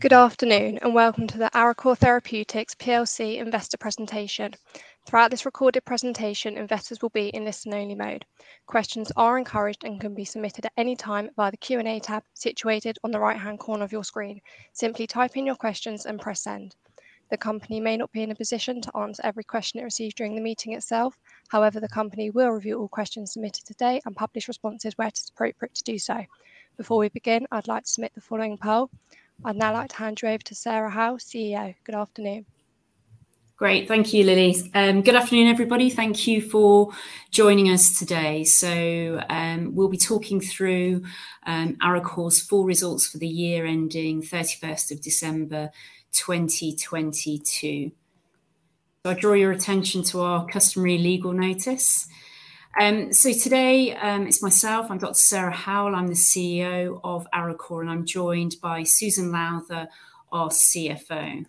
Good afternoon, and welcome to the Arecor Therapeutics PLC investor presentation. Throughout this recorded presentation, investors will be in listen-only mode. Questions are encouraged and can be submitted at any time via the Q&A tab situated on the right-hand corner of your screen. Simply type in your questions and press send. The company may not be in a position to answer every question it receives during the meeting itself. However, the company will review all questions submitted today and publish responses where it is appropriate to do so. Before we begin, I'd like to submit the following poll. I'd now like to hand you over to Sarah Howell, CEO. Good afternoon. Great. Thank you, Lily. Good afternoon, everybody. Thank you for joining us today. We'll be talking through Arecor's full results for the year ending 31st of December, 2022. I draw your attention to our customary legal notice. Today, it's myself. I've got Sarah Howell, I'm the CEO of Arecor, and I'm joined by Susan Lowther, our CFO.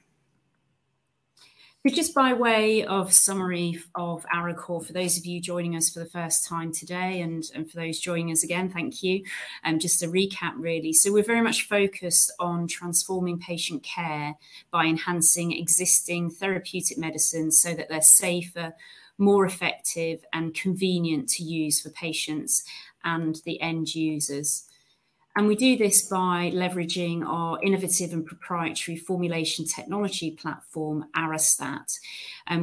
Just by way of summary of Arecor, for those of you joining us for the first time today and for those joining us again, thank you. Just to recap, really. We're very much focused on transforming patient care by enhancing existing therapeutic medicines so that they're safer, more effective, and convenient to use for patients and the end users. We do this by leveraging our innovative and proprietary formulation technology platform, Arestat.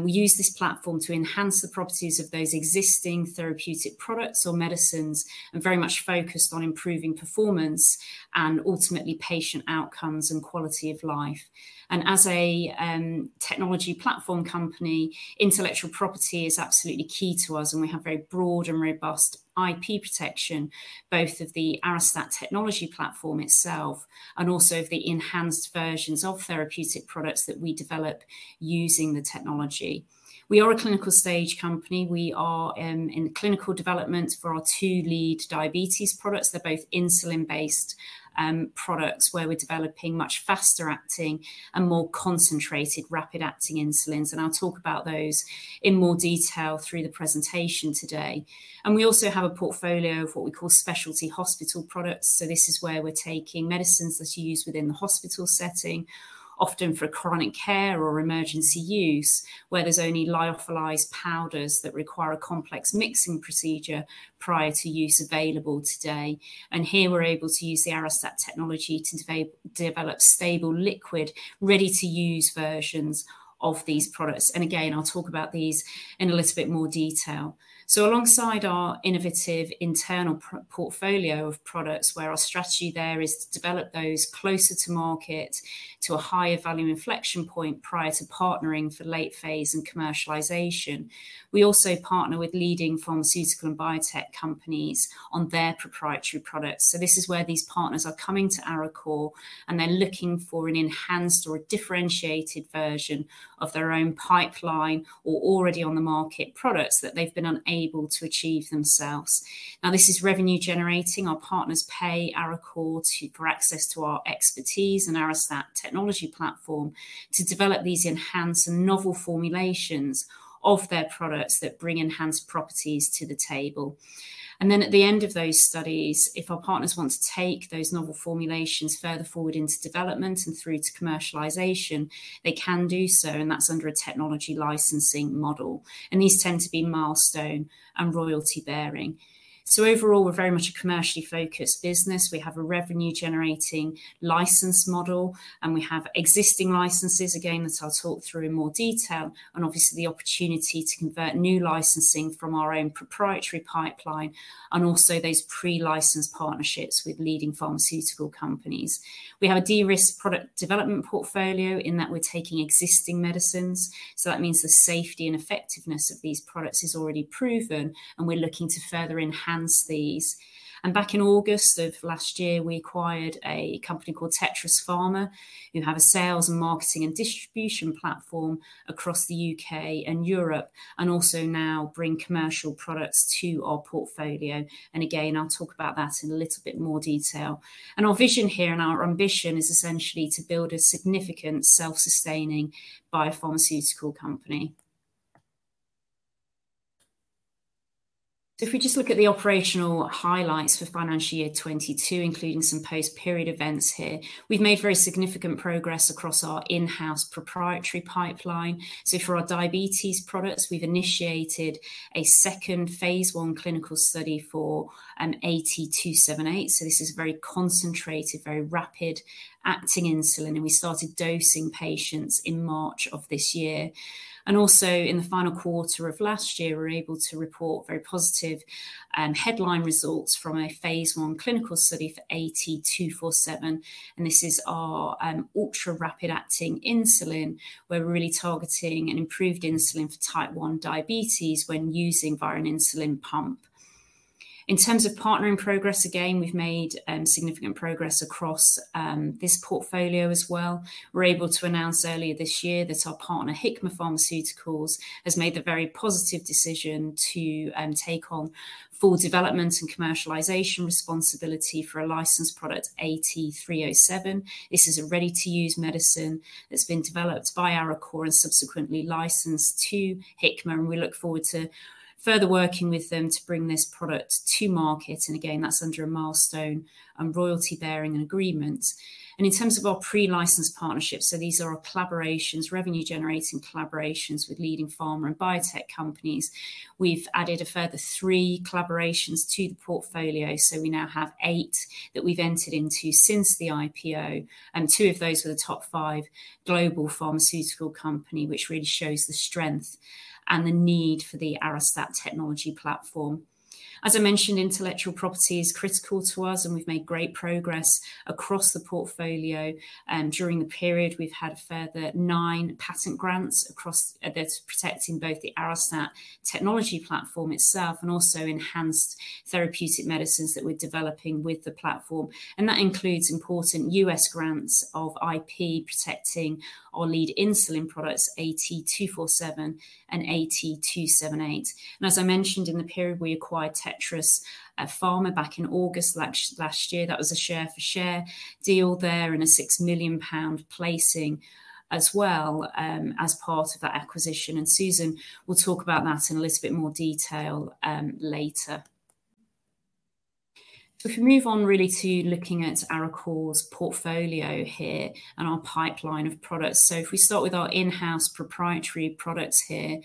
We use this platform to enhance the properties of those existing therapeutic products or medicines, very much focused on improving performance and ultimately patient outcomes and quality of life. As a technology platform company, intellectual property is absolutely key to us, and we have very broad and robust IP protection, both of the Arestat technology platform itself and also of the enhanced versions of therapeutic products that we develop using the technology. We are a clinical stage company. We are in clinical development for our two lead diabetes products. They're both insulin-based products where we're developing much faster acting and more concentrated rapid acting insulins. I'll talk about those in more detail through the presentation today. We also have a portfolio of what we call specialty hospital products, so this is where we're taking medicines that are used within the hospital setting, often for chronic care or emergency use, where there's only lyophilized powders that require a complex mixing procedure prior to use available today. Here, we're able to use the Arestat technology to develop stable liquid, ready-to-use versions of these products. Again, I'll talk about these in a little bit more detail. Alongside our innovative internal portfolio of products where our strategy there is to develop those closer to market to a higher value inflection point prior to partnering for late phase and commercialization, we also partner with leading pharmaceutical and biotech companies on their proprietary products. This is where these partners are coming to Arecor, and they're looking for an enhanced or a differentiated version of their own pipeline or already on the market products that they've been unable to achieve themselves. This is revenue generating. Our partners pay Arecor for access to our expertise and Arestat technology platform to develop these enhanced and novel formulations of their products that bring enhanced properties to the table. At the end of those studies, if our partners want to take those novel formulations further forward into development and through to commercialization, they can do so, and that's under a technology licensing model. These tend to be milestone and royalty bearing. Overall, we're very much a commercially focused business. We have a revenue generating license model, we have existing licenses, again, that I'll talk through in more detail, and obviously the opportunity to convert new licensing from our own proprietary pipeline and also those pre-licensed partnerships with leading pharmaceutical companies. We have a de-risked product development portfolio in that we're taking existing medicines, so that means the safety and effectiveness of these products is already proven, and we're looking to further enhance these. Back in August of last year, we acquired a company called Tetris Pharma, who have a sales and marketing and distribution platform across the U.K. and Europe and also now bring commercial products to our portfolio. Again, I'll talk about that in a little bit more detail. Our vision here and our ambition is essentially to build a significant self-sustaining biopharmaceutical company. If we just look at the operational highlights for financial year 22, including some post-period events here. We've made very significant progress across our in-house proprietary pipeline. For our diabetes products, we've initiated a second phase I clinical study for AT278, this is very concentrated, very rapid-acting insulin, and we started dosing patients in March of this year. In the final quarter of last year, we were able to report very positive headline results from a phase I clinical study for AT247, and this is our ultra-rapid-acting insulin where we're really targeting an improved insulin for type 1 diabetes when using via an insulin pump. In terms of partnering progress, again, we've made significant progress across this portfolio as well. We were able to announce earlier this year that our partner Hikma Pharmaceuticals has made the very positive decision to take on full development and commercialization responsibility for a licensed product, AT307. This is a ready-to-use medicine that's been developed by Arecor and subsequently licensed to Hikma, and we look forward to further working with them to bring this product to market. Again, that's under a milestone and royalty-bearing agreement. In terms of our pre-licensed partnerships, these are our collaborations, revenue-generating collaborations with leading pharma and biotech companies. We've added a further 3 collaborations to the portfolio, so we now have 8 that we've entered into since the IPO, and 2 of those are the top 5 global pharmaceutical company, which really shows the strength and the need for the Arestat technology platform. As I mentioned, intellectual property is critical to us, and we've made great progress across the portfolio. During the period, we've had a further nine patent grants that are protecting both the Arestat technology platform itself and also enhanced therapeutic medicines that we're developing with the platform. That includes important US grants of IP protecting our lead insulin products, AT247 and AT278. As I mentioned, in the period, we acquired Tetris Pharma back in August last year. That was a share-for-share deal there and a 6 million pound placing as well as part of that acquisition. Susan will talk about that in a little bit more detail later. If we move on really to looking at Arecor's portfolio here and our pipeline of products. If we start with our in-house proprietary products here.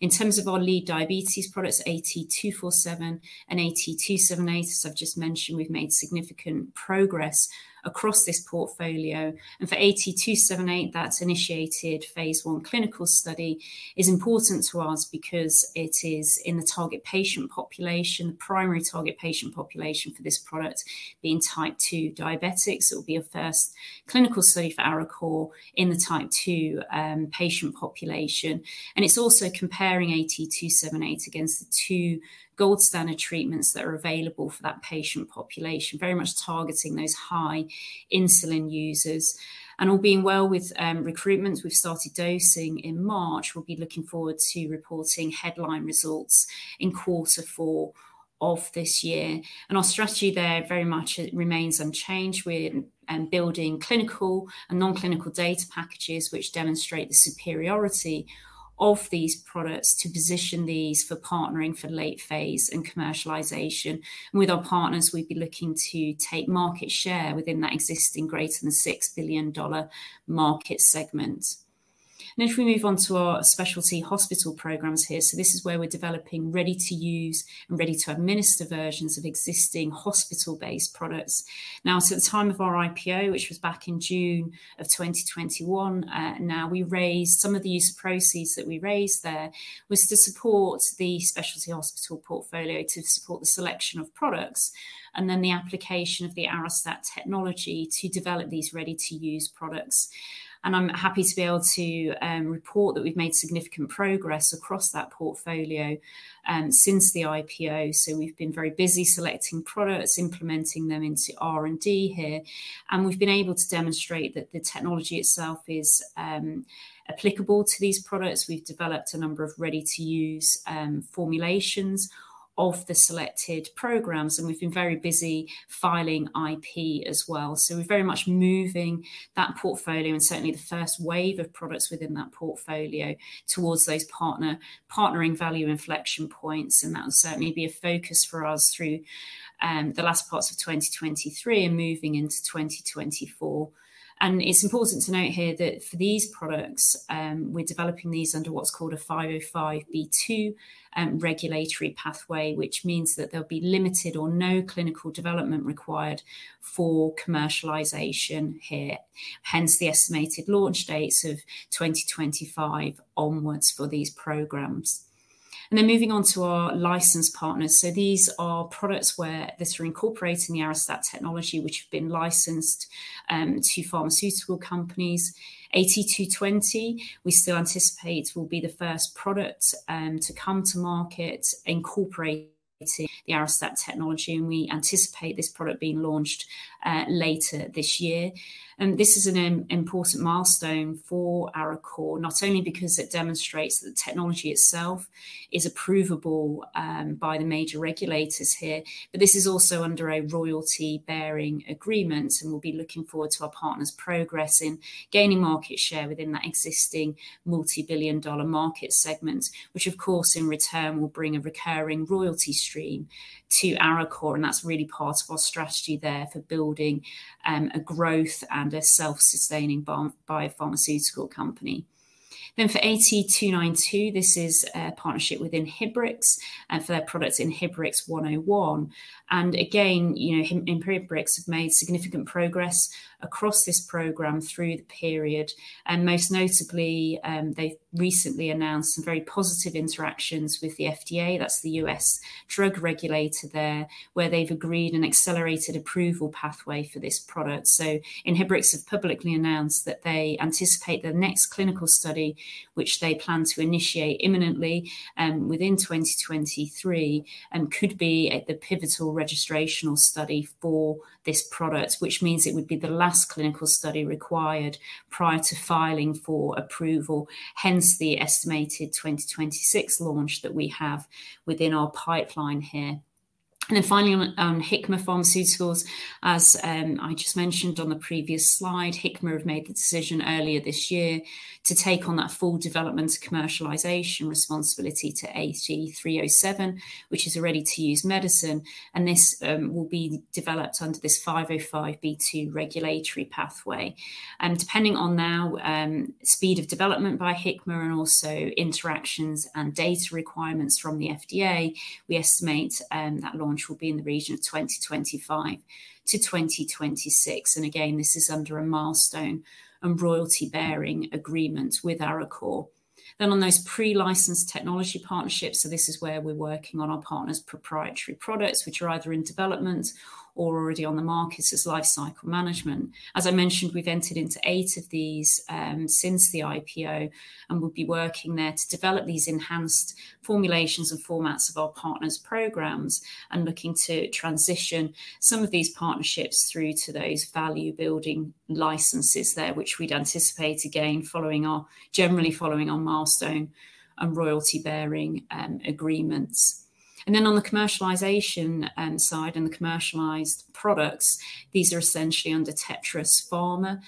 In terms of our lead diabetes products, AT247 and AT278, as I've just mentioned, we've made significant progress across this portfolio. For AT278, that's initiated phase I clinical study, is important to us because it is in the target patient population, primary target patient population for this product being type two diabetics. It'll be a first clinical study for Arecor in the type 2 patient population. It's also comparing AT278 against the two gold standard treatments that are available for that patient population, very much targeting those high insulin users. All being well with recruitment, we've started dosing in March. We'll be looking forward to reporting headline results in quarter four of this year. Our strategy there very much remains unchanged. We're building clinical and non-clinical data packages which demonstrate the superiority of these products to position these for partnering for late phase and commercialization. With our partners, we'd be looking to take market share within that existing greater than $6 billion market segment. If we move on to our specialty hospital programs here. This is where we're developing ready-to-use and ready-to-administer versions of existing hospital-based products. At the time of our IPO, which was back in June of 2021, some of these proceeds that we raised there was to support the specialty hospital portfolio to support the selection of products and then the application of the Arestat technology to develop these ready-to-use products. I'm happy to be able to report that we've made significant progress across that portfolio since the IPO. We've been very busy selecting products, implementing them into R&D here, and we've been able to demonstrate that the technology itself is applicable to these products. We've developed a number of ready-to-use formulations of the selected programs, and we've been very busy filing IP as well. We're very much moving that portfolio and certainly the first wave of products within that portfolio towards those partnering value inflection points, and that'll certainly be a focus for us through the last parts of 2023 and moving into 2024. It's important to note here that for these products, we're developing these under what's called a 505(b)(2) regulatory pathway, which means that there'll be limited or no clinical development required for commercialization here, hence the estimated launch dates of 2025 onwards for these programs. Moving on to our license partners. These are products that are incorporating the Arestat technology which have been licensed to pharmaceutical companies. AT220, we still anticipate will be the first product to come to market incorporating the Arestat technology, and we anticipate this product being launched later this year. This is an important milestone for Arecor, not only because it demonstrates that the technology itself is approvable by the major regulators here, but this is also under a royalty-bearing agreement, and we'll be looking forward to our partners progressing, gaining market share within that existing multi-billion dollar market segment, which of course in return will bring a recurring royalty stream to Arecor, and that's really part of our strategy there for building a growth and a self-sustaining biopharmaceutical company. For AT292, this is a partnership with Inhibrx, for their product INBRX-101. you know, Inhibrx have made significant progress across this program through the period, and most notably, they've recently announced some very positive interactions with the FDA, that's the U.S. drug regulator there, where they've agreed an accelerated approval pathway for this product. Inhibrx have publicly announced that they anticipate their next clinical study, which they plan to initiate imminently, within 2023, could be at the pivotal registrational study for this product, which means it would be the last clinical study required prior to filing for approval, hence the estimated 2026 launch that we have within our pipeline here. Finally on Hikma Pharmaceuticals, as I just mentioned on the previous slide, Hikma have made the decision earlier this year to take on that full development commercialization responsibility to AT307, which is a ready-to-use medicine. This will be developed under this 505 regulatory pathway. Depending on now, speed of development by Hikma and also interactions and data requirements from the FDA, we estimate that launch will be in the region of 2025-2026. Again, this is under a milestone and royalty-bearing agreement with Arecor. On those pre-licensed technology partnerships, this is where we're working on our partners' proprietary products, which are either in development or already on the market as lifecycle management. As I mentioned, we've entered into eight of these since the IPO and will be working there to develop these enhanced formulations and formats of our partners' programs and looking to transition some of these partnerships through to those value-building licenses there, which we'd anticipate again generally following our milestone and royalty-bearing agreements. On the commercialization side and the commercialized products, these are essentially under Tetris Pharma.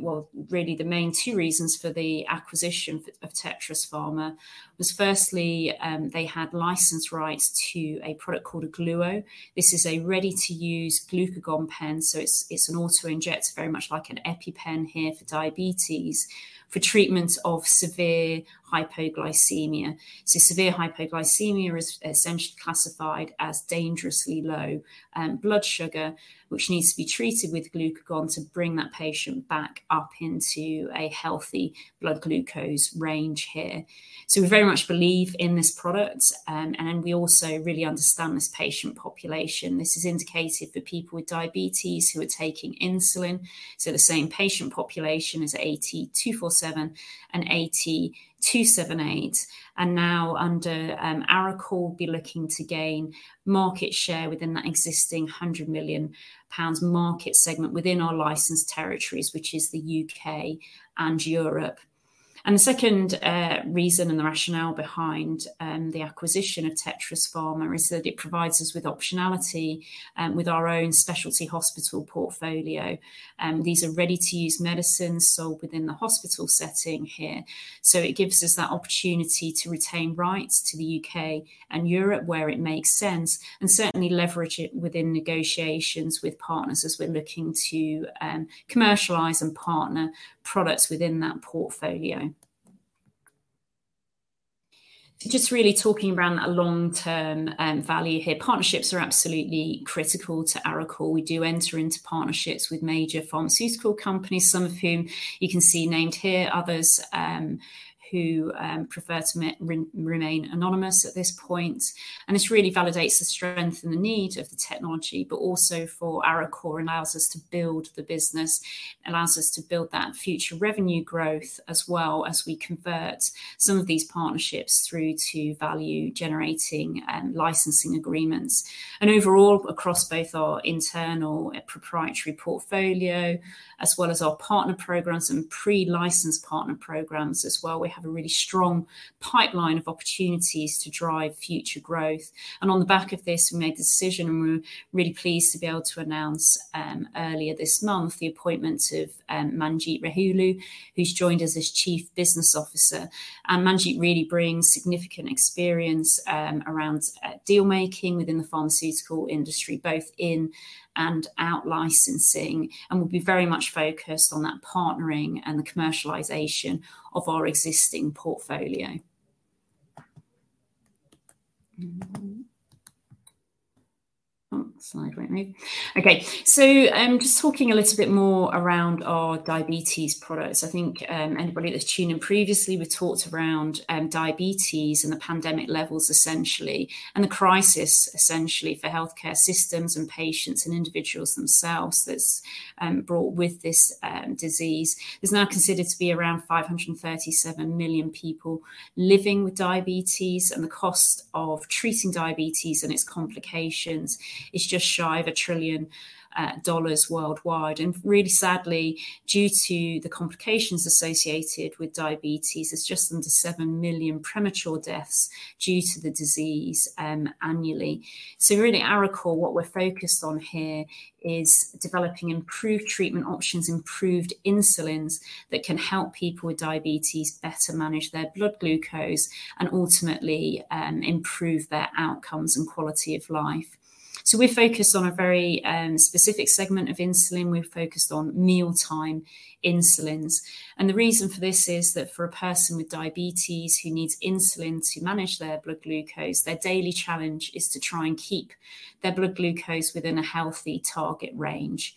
Well, really the main two reasons for the acquisition of Tetris Pharma was firstly, they had license rights to a product called Ogluo. This is a ready-to-use glucagon pen. It's an auto-injector, very much like an EpiPen here for diabetes, for treatment of severe hypoglycemia. Severe hypoglycemia is essentially classified as dangerously low blood sugar, which needs to be treated with glucagon to bring that patient back up into a healthy blood glucose range here. We very much believe in this product, and we also really understand this patient population. This is indicated for people with diabetes who are taking insulin, so the same patient population as AT247 and AT278. Now under Arecor will be looking to gain market share within that existing 100 million pounds market segment within our licensed territories, which is the U.K. and Europe. The second reason and the rationale behind the acquisition of Tetris Pharma is that it provides us with optionality with our own specialty hospital portfolio. These are ready-to-use medicines sold within the hospital setting here. It gives us that opportunity to retain rights to the UK and Europe where it makes sense, and certainly leverage it within negotiations with partners as we're looking to commercialize and partner products within that portfolio. Just really talking around that long-term value here. Partnerships are absolutely critical to Arecor. We do enter into partnerships with major pharmaceutical companies, some of whom you can see named here, others who prefer to remain anonymous at this point. This really validates the strength and the need of the technology, but also for Arecor and allows us to build the business, allows us to build that future revenue growth as well as we convert some of these partnerships through to value-generating licensing agreements. Overall, across both our internal proprietary portfolio as well as our partner programs and pre-licensed partner programs as well, we have a really strong pipeline of opportunities to drive future growth. On the back of this, we made the decision, and we're really pleased to be able to announce earlier this month the appointment of Manjit Rahelu, who's joined us as Chief Business Officer. Manjit really brings significant experience around deal-making within the pharmaceutical industry, both in and out licensing, and will be very much focused on that partnering and the commercialization of our existing portfolio. slide went weird. Just talking a little bit more around our diabetes products. I think anybody that's tuned in previously, we talked around diabetes and the pandemic levels essentially, and the crisis essentially for healthcare systems and patients and individuals themselves that's brought with this disease. It's now considered to be around 537 million people living with diabetes, and the cost of treating diabetes and its complications is just shy of $1 trillion worldwide. Really sadly, due to the complications associated with diabetes, it's just under 7 million premature deaths due to the disease annually. Really, Arecor, what we're focused on here is developing improved treatment options, improved insulins that can help people with diabetes better manage their blood glucose and ultimately improve their outcomes and quality of life. We're focused on a very specific segment of insulin. We're focused on mealtime insulins. The reason for this is that for a person with diabetes who needs insulin to manage their blood glucose, their daily challenge is to try and keep their blood glucose within a healthy target range.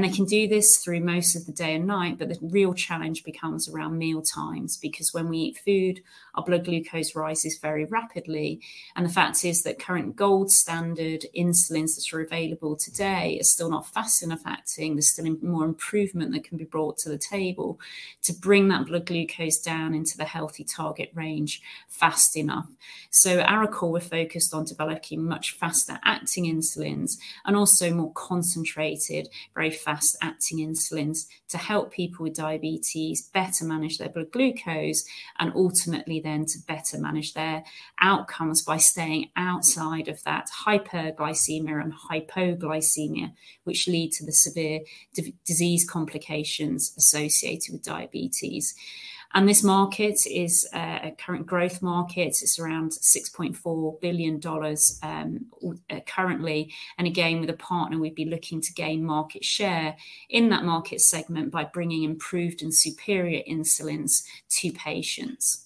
They can do this through most of the day and night, but the real challenge becomes around mealtimes. When we eat food, our blood glucose rises very rapidly, and the fact is that current gold standard insulins that are available today are still not fast enough acting. There's still more improvement that can be brought to the table to bring that blood glucose down into the healthy target range fast enough. At Arecor, we're focused on developing much faster-acting insulins and also more concentrated, very fast-acting insulins to help people with diabetes better manage their blood glucose and ultimately then to better manage their outcomes by staying outside of that hyperglycemia and hypoglycemia, which lead to the severe disease complications associated with diabetes. This market is a current growth market. It's around $6.4 billion currently, and again with a partner, we'd be looking to gain market share in that market segment by bringing improved and superior insulins to patients.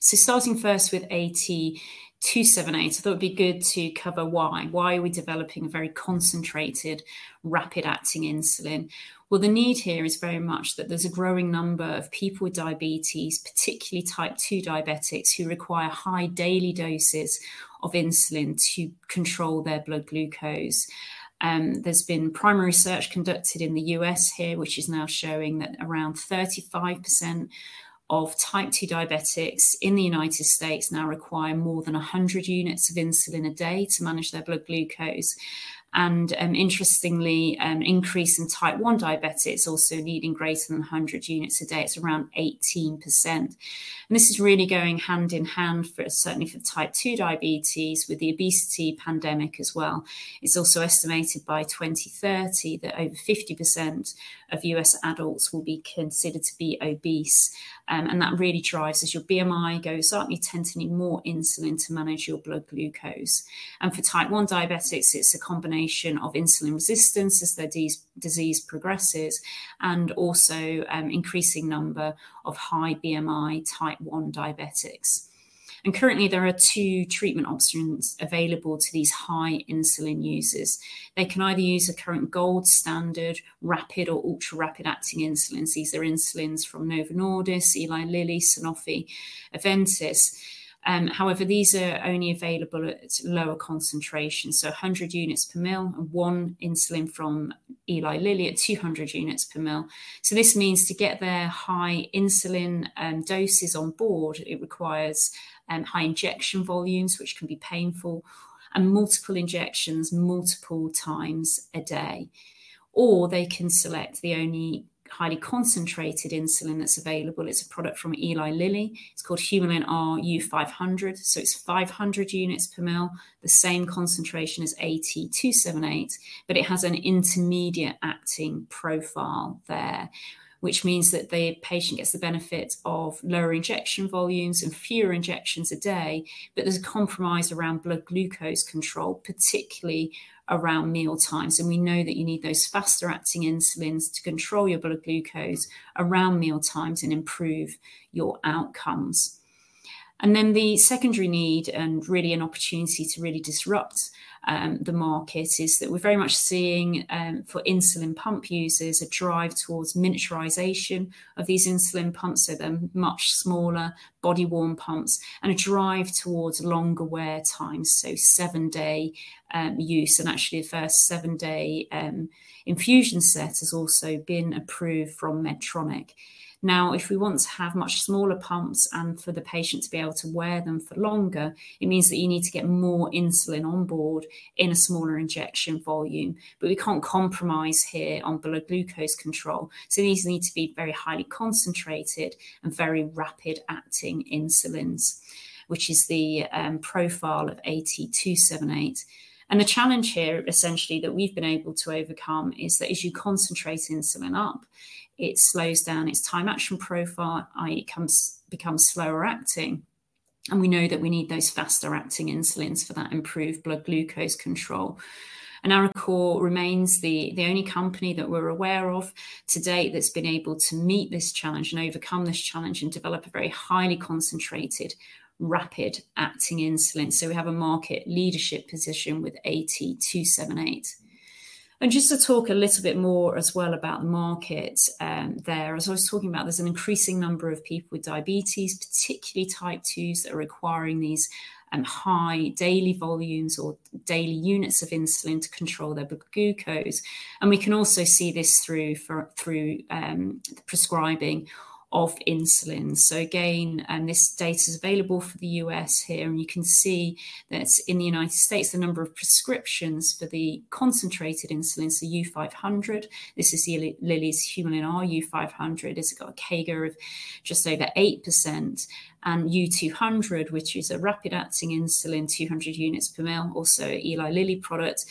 Starting first with AT278, I thought it'd be good to cover why. Why are we developing a very concentrated, rapid-acting insulin? The need here is very much that there's a growing number of people with diabetes, particularly type two diabetics, who require high daily doses of insulin to control their blood glucose. There's been primary research conducted in the U.S. here, which is now showing that around 35% of type two diabetics in the United States now require more than 100 units of insulin a day to manage their blood glucose. Interestingly, increase in type one diabetics also needing greater than 100 units a day. It's around 18%. This is really going hand in hand for, certainly for type two diabetes with the obesity pandemic as well. It's also estimated by 2030 that over 50% of U.S. adults will be considered to be obese. That really drives as your BMI goes up, you tend to need more insulin to manage your blood glucose. For type one diabetics, it's a combination of insulin resistance as their disease progresses and also, increasing number of high BMI type one diabetics. Currently, there are two treatment options available to these high insulin users. They can either use a current gold standard, rapid or ultra-rapid acting insulins. These are insulins from Novo Nordisk, Eli Lilly, Sanofi, Aventis. However, these are only available at lower concentration, so 100 units per mL, and one insulin from Eli Lilly at 200 units per mL. This means to get their high insulin doses on board, it requires high injection volumes, which can be painful and multiple injections multiple times a day. They can select the only highly concentrated insulin that's available. It's a product from Eli Lilly. It's called Humulin R U-500, so it's 500 units per mL, the same concentration as AT278, but it has an intermediate acting profile there, which means that the patient gets the benefit of lower injection volumes and fewer injections a day. There's a compromise around blood glucose control, particularly around meal times. We know that you need those faster-acting insulins to control your blood glucose around meal times and improve your outcomes. The secondary need and really an opportunity to really disrupt the market is that we're very much seeing for insulin pump users, a drive towards miniaturization of these insulin pumps. They're much smaller body-worn pumps and a drive towards longer wear times, so seven-day use. Actually the first seven-day infusion set has also been approved from Medtronic. If we want to have much smaller pumps and for the patient to be able to wear them for longer, it means that you need to get more insulin on board in a smaller injection volume. We can't compromise here on blood glucose control, so these need to be very highly concentrated and very rapid-acting insulins, which is the profile of AT278. The challenge here, essentially, that we've been able to overcome is that as you concentrate insulin up, it slows down its time action profile, i.e. it becomes slower acting, and we know that we need those faster-acting insulins for that improved blood glucose control. Arecor remains the only company that we're aware of to date that's been able to meet this challenge and overcome this challenge and develop a very highly concentrated, rapid-acting insulin. We have a market leadership position with AT278. Just to talk a little bit more as well about the market there. As I was talking about, there's an increasing number of people with diabetes, particularly type twos, that are requiring these high daily volumes or daily units of insulin to control their blood glucose. We can also see this through the prescribing of insulin. Again, this data is available for the US here, and you can see that in the United States, the number of prescriptions for the concentrated insulin, U-500, this is Eli Lilly's Humulin R U-500. It's got a CAGR of just over 8%. U-200, which is a rapid-acting insulin, 200 units per mL, also Eli Lilly product,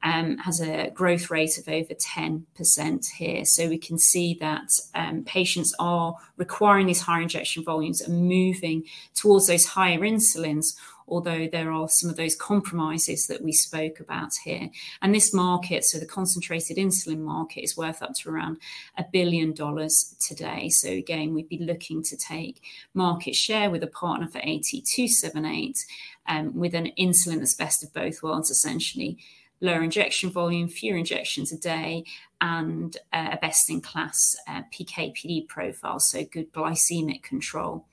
has a growth rate of over 10% here. We can see that patients are requiring these higher injection volumes and moving towards those higher insulins, although there are some of those compromises that we spoke about here. This market, the concentrated insulin market, is worth up to around $1 billion today. Again, we'd be looking to take market share with a partner for AT278 with an insulin that's best of both worlds. Essentially lower injection volume, fewer injections a day, and a best-in-class PK/PD profile, so good glycemic control.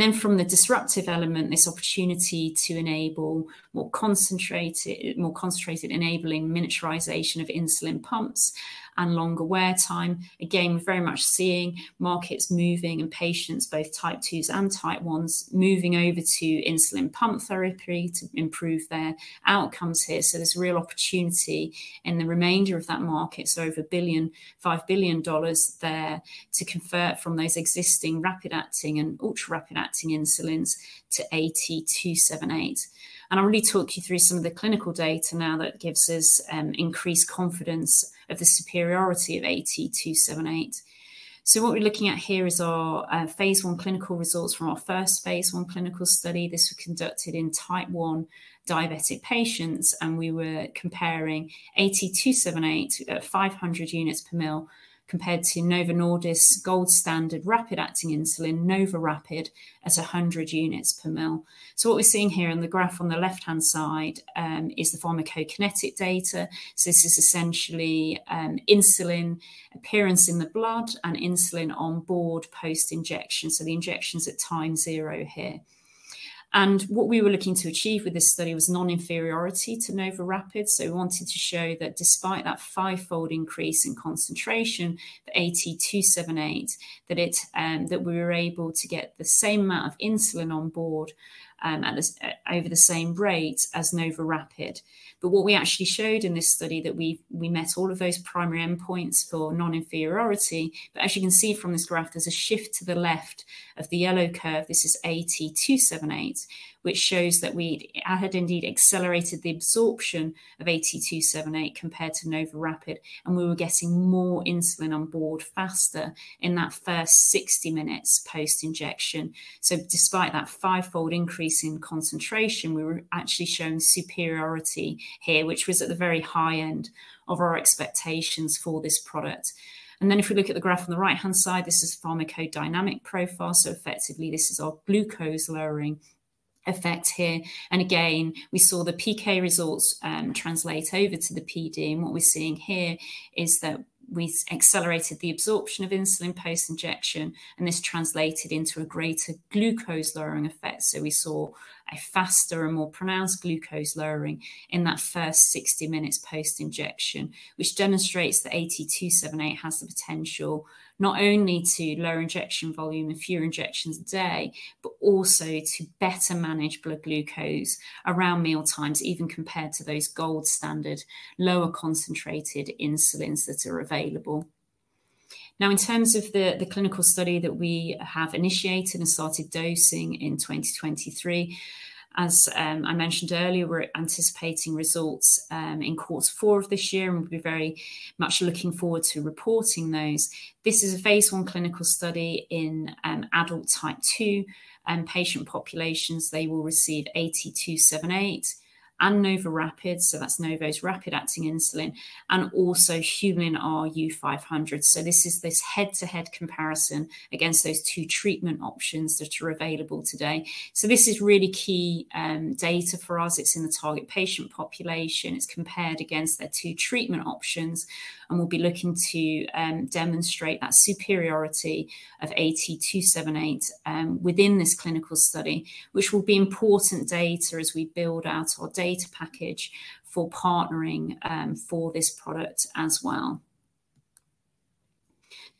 Then from the disruptive element, this opportunity to enable more concentrated enabling miniaturization of insulin pumps and longer wear time. We're very much seeing markets moving and patients, both Type 2s and Type 1s, moving over to insulin pump therapy to improve their outcomes here. There's a real opportunity in the remainder of that market. Over $1 billion, $5 billion there to convert from those existing rapid-acting and ultra-rapid-acting insulins to AT278. I'll really talk you through some of the clinical data now that gives us increased confidence of the superiority of AT278. What we're looking at here is our phase III clinical results from our first phase II clinical study. This was conducted in Type 1 diabetic patients, and we were comparing AT278 at 500 units/mL compared to Novo Nordisk's gold standard rapid-acting insulin, NovoRapid, at 100 units/mL. What we're seeing here in the graph on the left-hand side is the pharmacokinetic data. This is essentially insulin appearance in the blood and insulin on board post-injection. The injections at time zero here. What we were looking to achieve with this study was non-inferiority to NovoRapid, so we wanted to show that despite that fivefold increase in concentration, the AT278, that it, that we were able to get the same amount of insulin on board over the same rate as NovoRapid. What we actually showed in this study that we met all of those primary endpoints for non-inferiority. As you can see from this graph, there's a shift to the left of the yellow curve. This is AT278, which shows that we had indeed accelerated the absorption of AT278 compared to NovoRapid, and we were getting more insulin on board faster in that first 60 minutes post-injection. Despite that fivefold increase in concentration, we were actually showing superiority here, which was at the very high end of our expectations for this product. If we look at the graph on the right-hand side, this is pharmacodynamic profile. Effectively, this is our glucose-lowering effect here. Again, we saw the PK results translate over to the PD. What we're seeing here is that we accelerated the absorption of insulin post-injection, this translated into a greater glucose-lowering effect. We saw a faster and more pronounced glucose lowering in that first 60 minutes post-injection, which demonstrates that AT278 has the potential not only to lower injection volume and fewer injections a day, but also to better manage blood glucose around mealtimes, even compared to those gold standard, lower concentrated insulins that are available. In terms of the clinical study that we have initiated and started dosing in 2023, as I mentioned earlier, we're anticipating results in Q4 of this year, and we'll be very much looking forward to reporting those. This is a phase I clinical study in adult type 2 patient populations. They will receive AT278 and NovoRapid, so that's Novo's rapid-acting insulin, and also Humulin R U-500. This is this head-to-head comparison against those two treatment options which are available today. This is really key data for us. It's in the target patient population. It's compared against the two treatment options. We'll be looking to demonstrate that superiority of AT278 within this clinical study, which will be important data as we build out our data package for partnering for this product as well.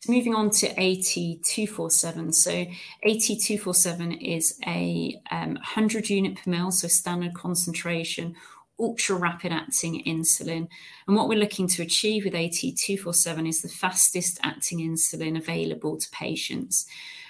Moving on to AT247. AT247 is a 100 units/mL, standard concentration, ultra-rapid acting insulin. What we're looking to achieve with AT247 is the fastest acting insulin available to patients.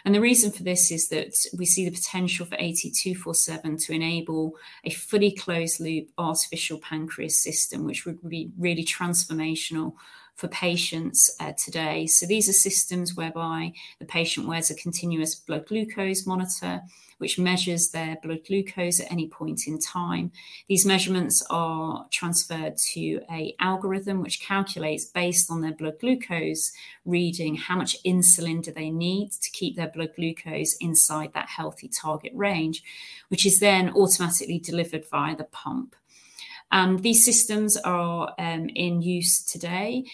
The reason for this is that we see the potential for AT247 to enable a fully closed-loop artificial pancreas system, which would be really transformational for patients today. These are systems whereby the patient wears a continuous blood glucose monitor which measures their blood glucose at any point in time. These measurements are transferred to a algorithm which calculates, based on their blood glucose reading, how much insulin do they need to keep their blood glucose inside that healthy target range, which is then automatically delivered via the pump. These systems are in use today,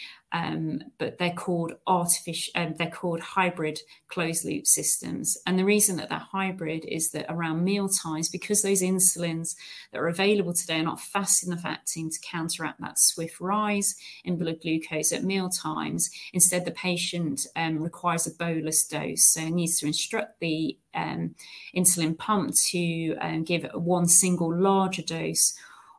but they're called hybrid closed-loop systems. The reason that they're hybrid is that around mealtimes, because those insulins that are available today are not fast enough acting to counteract that swift rise in blood glucose at mealtimes, instead the patient requires a bolus dose, needs to instruct the insulin pump to give 1 single larger dose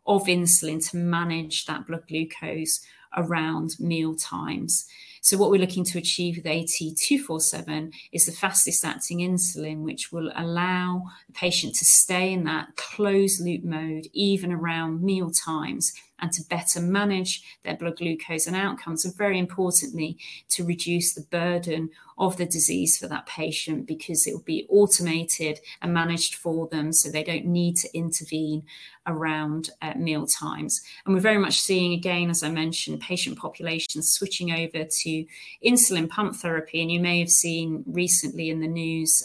of insulin to manage that blood glucose around mealtimes. What we're looking to achieve with AT247 is the fastest acting insulin, which will allow the patient to stay in that closed-loop mode even around mealtimes and to better manage their blood glucose and outcomes, very importantly, to reduce the burden of the disease for that patient because it will be automated and managed for them, so they don't need to intervene around at mealtimes. We're very much seeing, again, as I mentioned, patient populations switching over to insulin pump therapy. You may have seen recently in the news,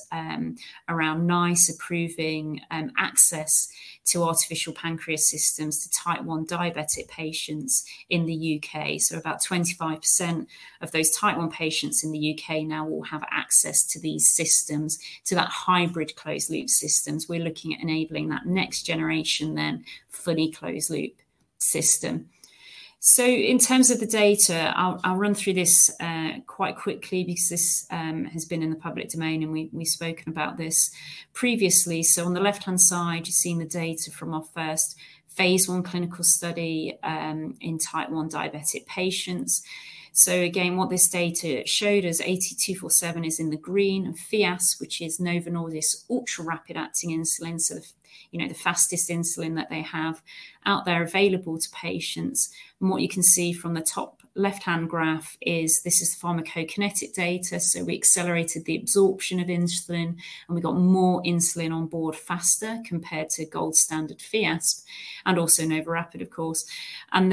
around NICE approving access to artificial pancreas systems to type 1 diabetic patients in the UK. About 25% of those type 1 patients in the UK now will have access to these systems. To that hybrid closed-loop systems, we're looking at enabling that next generation then fully closed-loop system. In terms of the data, I'll run through this quite quickly because this has been in the public domain, and we've spoken about this previously. On the left-hand side, you're seeing the data from our first phase I clinical study, in type 1 diabetic patients. Again, what this data showed is AT247 is in the green, and Fiasp, which is Novo Nordisk's ultra rapid-acting insulin, so the, you know, the fastest insulin that they have out there available to patients. What you can see from the top left-hand graph is this is pharmacokinetic data. So we accelerated the absorption of insulin, and we got more insulin on board faster compared to gold standard Fiasp and also NovoRapid, of course. In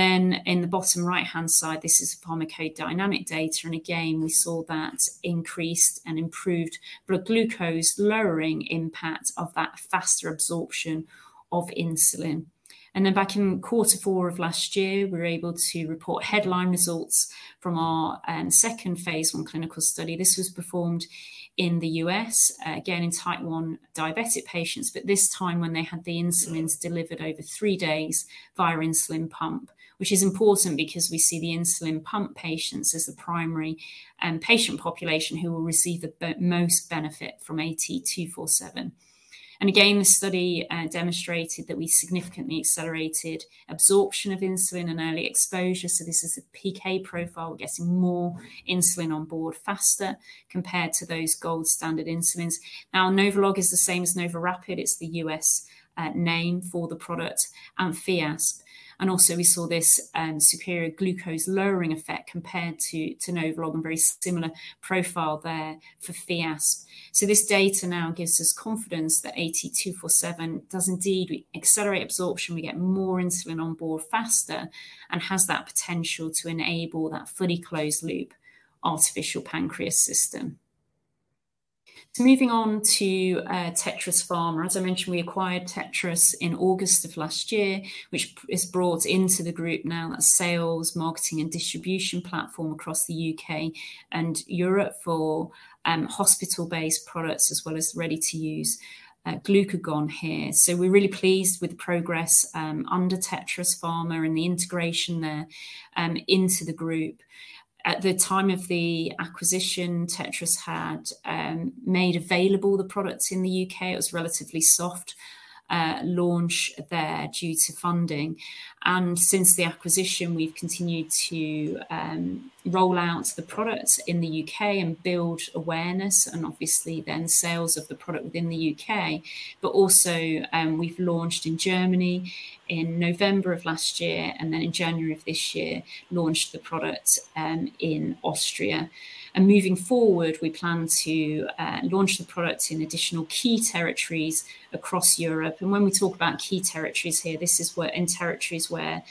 the bottom right-hand side, this is pharmacodynamic data, and again, we saw that increased and improved blood glucose lowering impact of that faster absorption of insulin. Back in quarter four of last year, we were able to report headline results from our second phase I clinical study. This was performed in the US, again, in type 1 diabetic patients. This time when they had the insulins delivered over three days via insulin pump. Which is important because we see the insulin pump patients as the primary patient population who will receive the most benefit from AT247. Again, the study demonstrated that we significantly accelerated absorption of insulin and early exposure, so this is a PK profile. We're getting more insulin on board faster compared to those gold standard insulins. Novolog is the same as NovoRapid. It's the U.S. name for the product, and Fiasp. Also we saw this superior glucose lowering effect compared to Novolog and very similar profile there for Fiasp. This data now gives us confidence that AT247 does indeed accelerate absorption. We get more insulin on board faster and has that potential to enable that fully closed-loop artificial pancreas system. Moving on to Tetris Pharma. As I mentioned, we acquired Tetris Pharma in August of 2022, which is brought into the group now. That's sales, marketing, and distribution platform across the U.K. and Europe for hospital-based products, as well as ready to use glucagon here. We're really pleased with the progress under Tetris Pharma and the integration there into the group. At the time of the acquisition, Tetris Pharma had made available the products in the U.K. It was a relatively soft launch there due to funding. Since the acquisition, we've continued to roll out the products in the U.K. and build awareness and obviously then sales of the product within the U.K. Also, we've launched in Germany in November of 2022, and then in January of 2023 launched the product in Austria. Moving forward, we plan to launch the product in additional key territories across Europe. When we talk about key territories here, this is where in territories where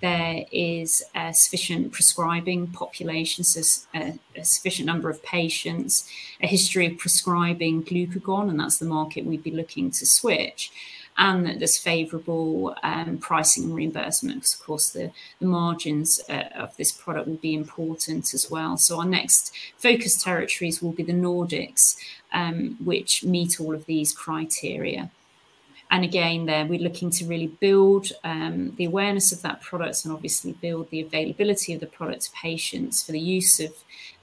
there is a sufficient prescribing population, so a sufficient number of patients, a history of prescribing glucagon, and that's the market we'd be looking to switch, and that there's favorable pricing reimbursements. Of course, the margins of this product will be important as well. Our next focus territories will be the Nordics, which meet all of these criteria. Again, there we're looking to really build the awareness of that product and obviously build the availability of the product to patients for the use of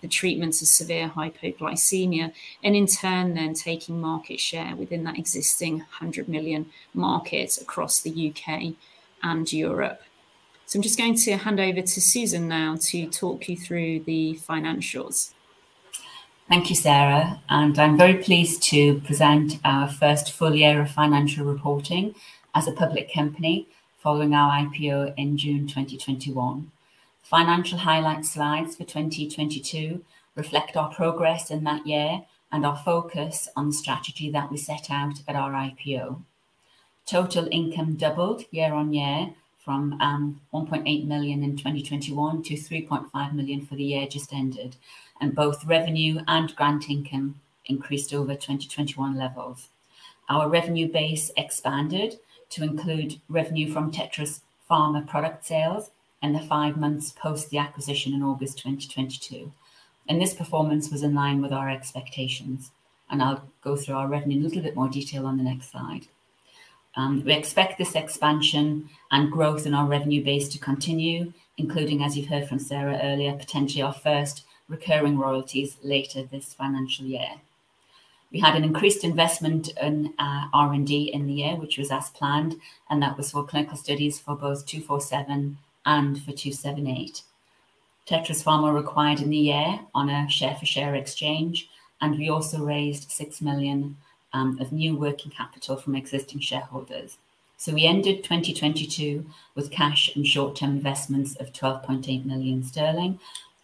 the treatments of severe hypoglycemia, and in turn then taking market share within that existing 100 million markets across the UK and Europe. I'm just going to hand over to Susan now to talk you through the financials. Thank you, Sarah. I'm very pleased to present our first full year of financial reporting as a public company following our IPO in June 2021. Financial highlight slides for 2022 reflect our progress in that year and our focus on the strategy that we set out at our IPO. Total income doubled year-on-year from 1.8 million in 2021 to 3.5 million for the year just ended, and both revenue and grant income increased over 2021 levels. Our revenue base expanded to include revenue from Tetris Pharma product sales in the five months post the acquisition in August 2022, and this performance was in line with our expectations. I'll go through our revenue in a little bit more detail on the next slide. We expect this expansion and growth in our revenue base to continue, including, as you've heard from Sarah earlier, potentially our first recurring royalties later this financial year. We had an increased investment in R&D in the year, which was as planned, and that was for clinical studies for both AT247 and for AT278. Tetris Pharma acquired in the year on a share for share exchange, and we also raised 6 million of new working capital from existing shareholders. We ended 2022 with cash and short-term investments of 12.8 million sterling,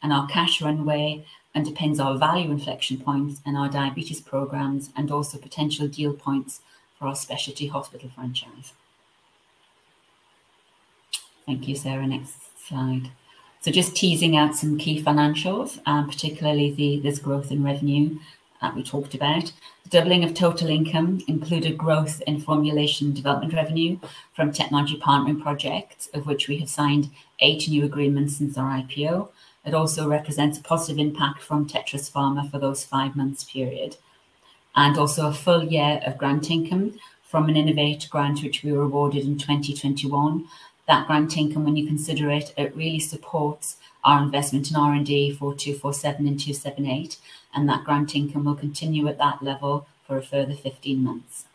and our cash runway underpins our value inflection points in our diabetes programs and also potential deal points for our specialty hospital franchise. Thank you, Sarah. Next slide. Just teasing out some key financials, particularly this growth in revenue that we talked about. The doubling of total income included growth in formulation development revenue from technology partnering projects, of which we have signed eight new agreements since our IPO. It also represents a positive impact from Tetris Pharma for those five months period and also a full year of grant income from an Innovate UK grant which we were awarded in 2021. That grant income, when you consider it really supports our investment in R&D for AT247 and AT278. That grant income will continue at that level for a further 15 months.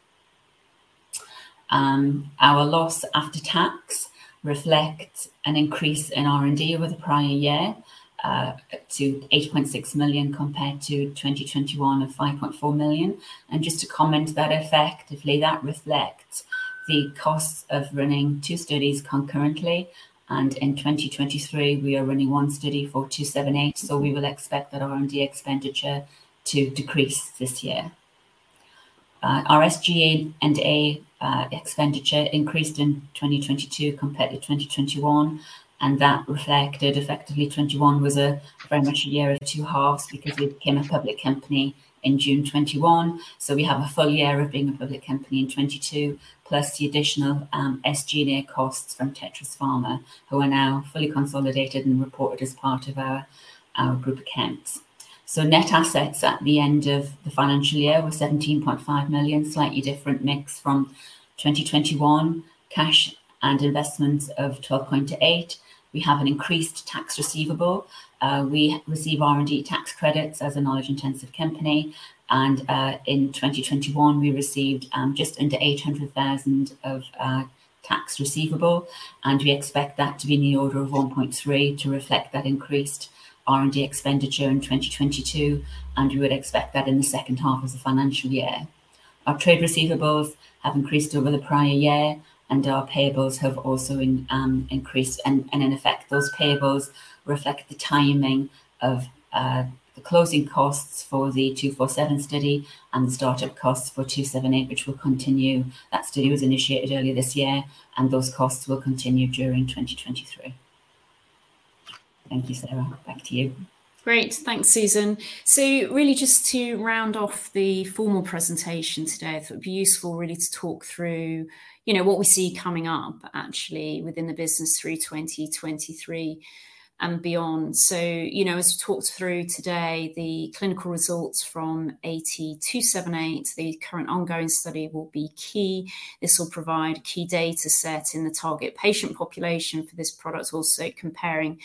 Our loss after tax reflects an increase in R&D over the prior year, to 8.6 million compared to 2021 of 5.4 million. Just to comment that effectively, that reflects the costs of running two studies concurrently, in 2023 we are running one study for AT278, so we will expect that R&D expenditure to decrease this year. Our SG&A expenditure increased in 2022 compared to 2021, and that reflected effectively 2021 was very much a year of two halves because we became a public company in June 2021. We have a full year of being a public company in 2022, plus the additional SG&A costs from Tetris Pharma, who are now fully consolidated and reported as part of our group accounts. Net assets at the end of the financial year were 17.5 million, slightly different mix from 2021. Cash and investments of 12.8 million. We have an increased tax receivable. We receive R&D tax credits as a knowledge-intensive company in 2021 we received just under 800,000 of tax receivable, and we expect that to be in the order of 1.3 million to reflect that increased R&D expenditure in 2022. We would expect that in the second half of the financial year. Our trade receivables have increased over the prior year, and our payables have also increased. In effect, those payables reflect the timing of the closing costs for the AT247 study and the startup costs for AT278, which will continue. That study was initiated earlier this year, and those costs will continue during 2023. Thank you, Sarah. Back to you. Great. Thanks, Susan. Really just to round off the formal presentation today, it would be useful really to talk through, you know, what we see coming up actually within the business through 2023 and beyond. You know, as we talked through today, the clinical results from AT278, the current ongoing study, will be key. This will provide key data set in the target patient population for this product, also comparing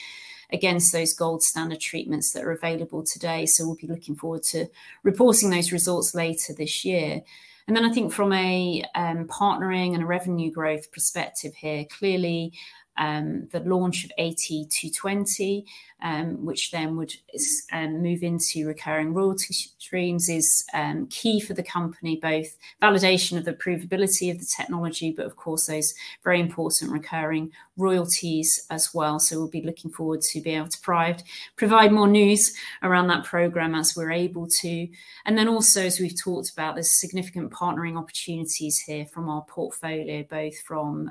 against those gold standard treatments that are available today. We'll be looking forward to reporting those results later this year. I think from a partnering and a revenue growth perspective here, clearly, the launch of AT220, which then would move into recurring royalty streams is key for the company, both validation of the provability of the technology, but of course, those very important recurring royalties as well. We'll be looking forward to being able to provide more news around that program as we're able to. Also, as we've talked about, there's significant partnering opportunities here from our portfolio, both from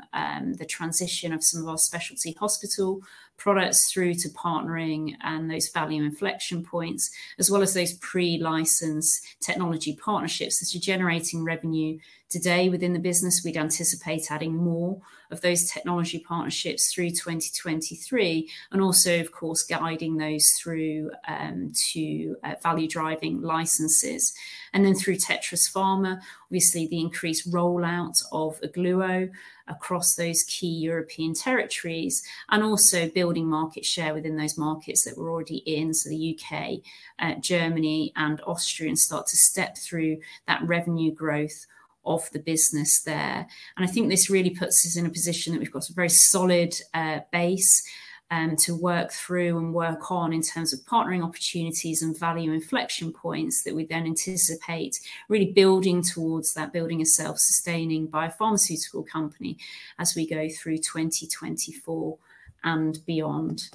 the transition of some of our specialty hospital products through to partnering and those value inflection points, as well as those pre-licensed technology partnerships that are generating revenue today within the business. We'd anticipate adding more of those technology partnerships through 2023 and also, of course, guiding those through to value-driving licenses. Through Tetris Pharma, obviously the increased rollout of Ogluo across those key European territories and also building market share within those markets that we're already in, so the U.K., Germany and Austria, and start to step through that revenue growth of the business there. I think this really puts us in a position that we've got a very solid base to work through and work on in terms of partnering opportunities and value inflection points that we then anticipate really building towards that building a self-sustaining biopharmaceutical company as we go through 2024 and beyond.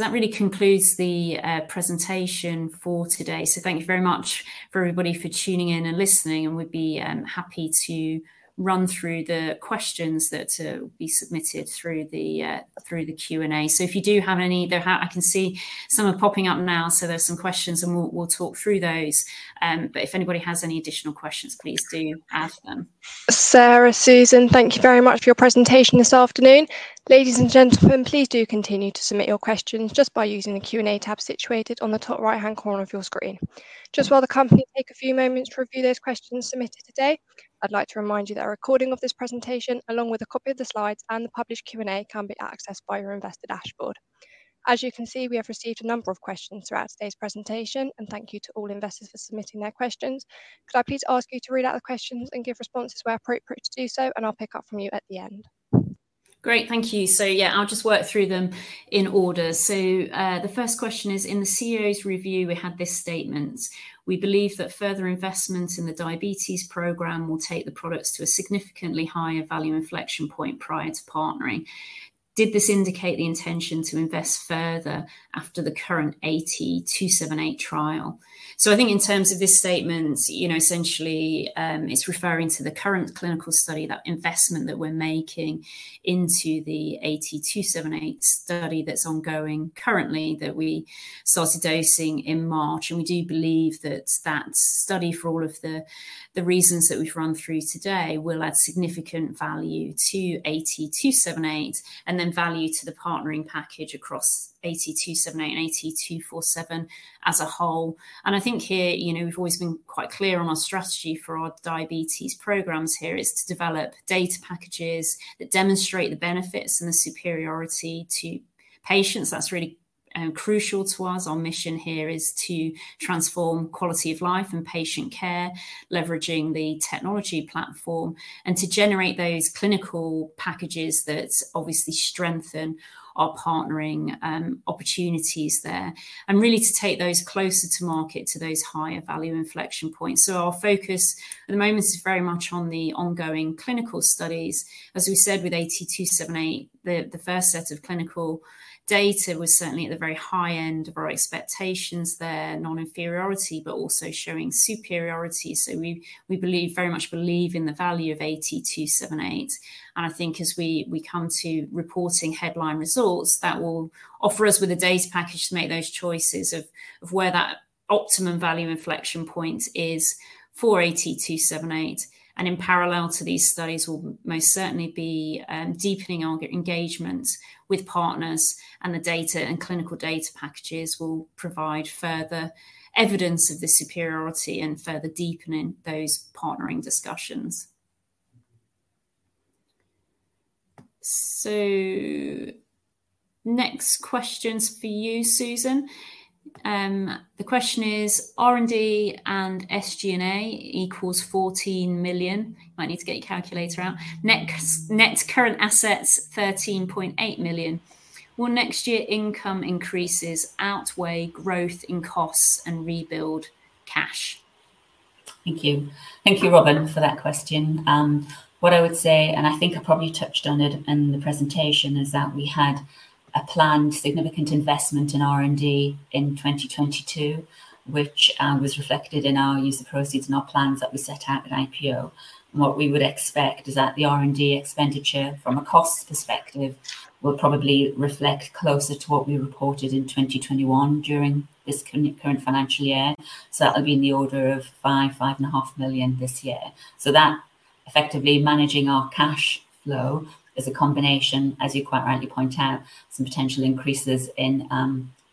That really concludes the presentation for today. Thank you very much for everybody for tuning in and listening, and we'd be happy to run through the questions that will be submitted through the through the Q&A. If you do have any. I can see some are popping up now, so there's some questions, and we'll talk through those. If anybody has any additional questions, please do ask them. Sarah, Susan, thank you very much for your presentation this afternoon. Ladies and gentlemen, please do continue to submit your questions just by using the Q&A tab situated on the top right-hand corner of your screen. Just while the company take a few moments to review those questions submitted today, I'd like to remind you that a recording of this presentation, along with a copy of the slides and the published Q&A, can be accessed via investor dashboard. As you can see, we have received a number of questions throughout today's presentation. Thank you to all investors for submitting their questions. Could I please ask you to read out the questions and give responses where appropriate to do so, and I'll pick up from you at the end. Great. Thank you. Yeah, I'll just work through them in order. The first question is, in the CEO's review we had this statement, "We believe that further investment in the diabetes program will take the products to a significantly higher value inflection point prior to partnering." Did this indicate the intention to invest further after the current AT278 trial? I think in terms of this statement, you know, essentially, it's referring to the current clinical study, that investment that we're making into the AT278 study that's ongoing currently, that we started dosing in March. We do believe that that study, for all of the reasons that we've run through today, will add significant value to AT278 and then value to the partnering package across AT278 and AT247 as a whole. I think here, you know, we've always been quite clear on our strategy for our diabetes programs here is to develop data packages that demonstrate the benefits and the superiority to patients. That's really crucial to us, our mission here is to transform quality of life and patient care, leveraging the technology platform, and to generate those clinical packages that obviously strengthen our partnering opportunities there, and really to take those closer to market to those higher value inflection points. Our focus at the moment is very much on the ongoing clinical studies. As we said, with AT278, the first set of clinical data was certainly at the very high end of our expectations there, non-inferiority, but also showing superiority. We very much believe in the value of AT278. I think as we come to reporting headline results, that will offer us with a data package to make those choices of where that optimum value inflection point is for AT278. In parallel to these studies, we'll most certainly be deepening our engagement with partners, and the data and clinical data packages will provide further evidence of the superiority and further deepening those partnering discussions. Next question's for you, Susan. The question is, R&D and SG&A equals 14 million. You might need to get your calculator out. Net current assets, 13.8 million. Will next year income increases outweigh growth in costs and rebuild cash? Thank you. Thank you, Robin, for that question. What I would say, and I think I probably touched on it in the presentation, is that we had a planned significant investment in R&D in 2022, which was reflected in our use of proceeds and our plans that we set out at IPO. What we would expect is that the R&D expenditure from a cost perspective will probably reflect closer to what we reported in 2021 during this current financial year. That'll be in the order of 5 million-5.5 million this year. That effectively managing our cash flow is a combination, as you quite rightly point out, some potential increases in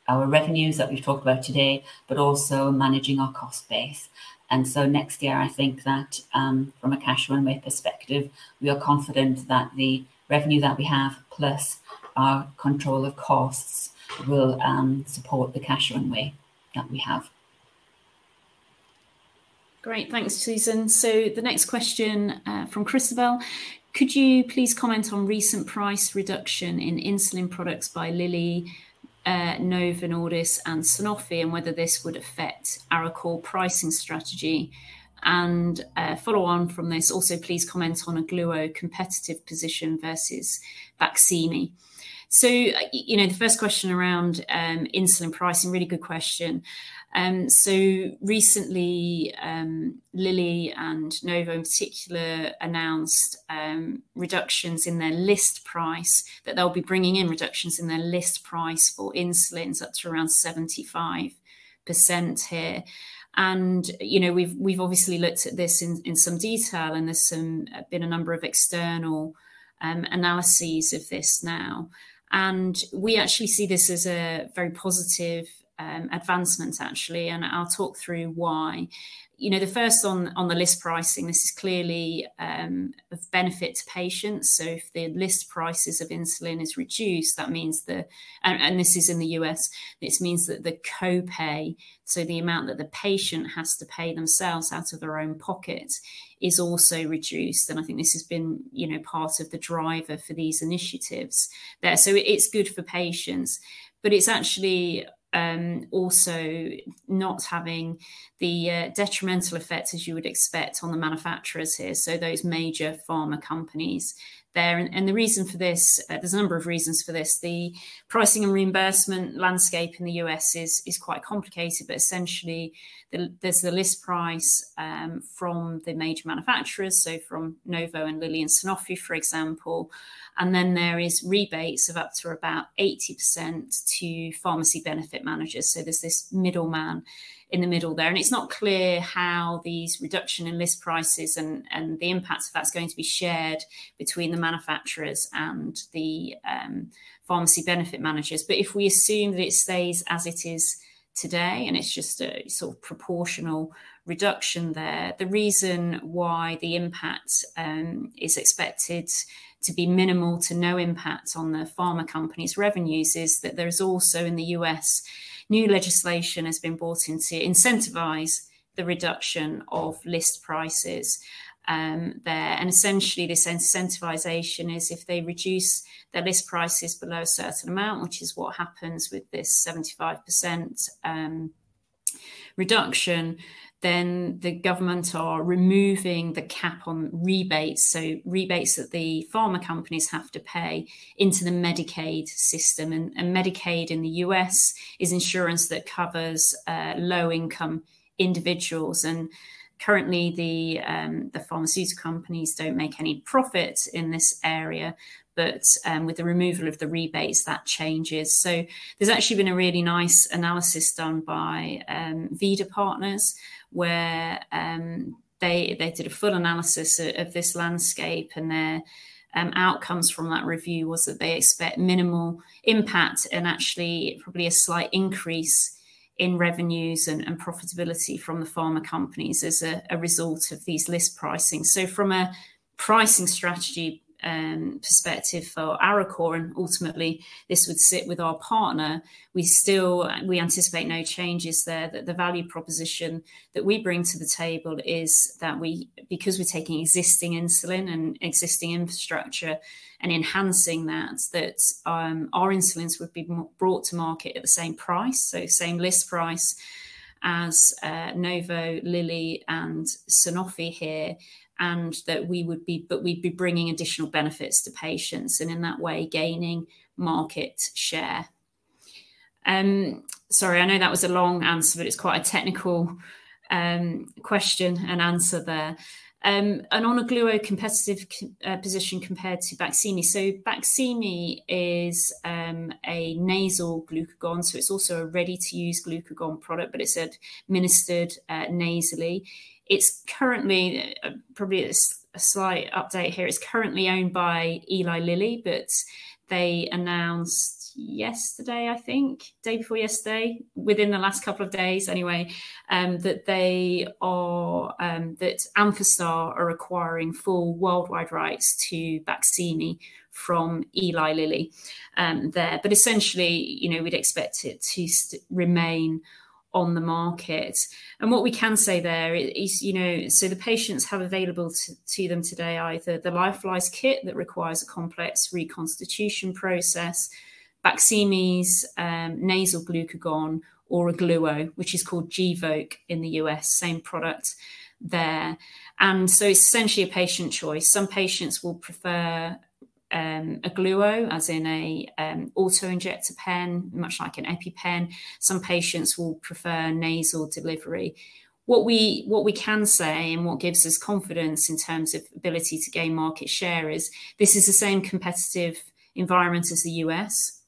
our revenues that we've talked about today, but also managing our cost base. Next year I think that, from a cash runway perspective, we are confident that the revenue that we have, plus our control of costs will support the cash runway that we have. Great. Thanks, Susan. The next question from Christabel. Could you please comment on recent price reduction in insulin products by Eli Lilly, Novo Nordisk and Sanofi, and whether this would affect Arecor pricing strategy? Follow on from this, also please comment on Ogluo competitive position versus BAQSIMI. You know, the first question around insulin pricing, really good question. Recently, Eli Lilly and Novo in particular announced reductions in their list price, that they'll be bringing in reductions in their list price for insulins up to around 75% here. You know, we've obviously looked at this in some detail, and there's been a number of external analyses of this now. We actually see this as a very positive advancement actually, and I'll talk through why. You know, the first on the list pricing, this is clearly of benefit to patients. If the list prices of insulin is reduced, this is in the US. This means that the co-pay, so the amount that the patient has to pay themselves out of their own pocket is also reduced, and I think this has been, you know, part of the driver for these initiatives there. It's good for patients. It's actually also not having the detrimental effects as you would expect on the manufacturers here, so those major pharma companies there. The reason for this, there's a number of reasons for this. The pricing and reimbursement landscape in the U.S. is quite complicated, but essentially there's the list price from the major manufacturers, so from Novo and Lilly and Sanofi, for example, and then there is rebates of up to about 80% to pharmacy benefit managers. There's this middleman in the middle there. It's not clear how these reduction in list prices and the impact of that's going to be shared between the manufacturers and the pharmacy benefit managers. If we assume that it stays as it is today, and it's just a sort of proportional reduction there, the reason why the impact is expected to be minimal to no impact on the pharma companies' revenues is that there is also in the U.S., new legislation has been brought in to incentivize the reduction of list prices there. This incentivization is if they reduce their list prices below a certain amount, which is what happens with this 75% reduction, then the government are removing the cap on rebates. Rebates that the pharma companies have to pay into the Medicaid system. Medicaid in the US is insurance that covers low income individuals. Currently the pharmaceutical companies don't make any profit in this area, but with the removal of the rebates, that changes. There's actually been a really nice analysis done by Veda Partners where they did a full analysis of this landscape, and their outcomes from that review was that they expect minimal impact and actually probably a slight increase in revenues and profitability from the pharma companies as a result of these list pricing. From a pricing strategy perspective for Arecor, and ultimately this would sit with our partner, we still, we anticipate no changes there. That the value proposition that we bring to the table is that because we're taking existing insulin and existing infrastructure and enhancing that our insulins would be brought to market at the same price. Same list price as Novo, Lilly and Sanofi here, and that we would be. We'd be bringing additional benefits to patients and in that way, gaining market share. Sorry, I know that was a long answer, but it's quite a technical question and answer there. On Ogluo competitive position compared to BAQSIMI. BAQSIMI is a nasal glucagon, so it's also a ready-to-use glucagon product, but it's administered nasally. It's currently probably a slight update here. It's currently owned by Eli Lilly. They announced yesterday, I think, day before yesterday, within the last couple of days anyway, that Amphastar are acquiring full worldwide rights to BAQSIMI from Eli Lilly there. Essentially, you know, we'd expect it to remain on the market. What we can say there is, you know, the patients have available to them today either the lyophilized kit that requires a complex reconstitution process, BAQSIMI's nasal glucagon or Ogluo, which is called Gvoke in the U.S., same product there. Essentially a patient choice. Some patients will prefer Ogluo as in an auto-injector pen, much like an EpiPen. Some patients will prefer nasal delivery. What we can say and what gives us confidence in terms of ability to gain market share is this is the same competitive environment as the U.S.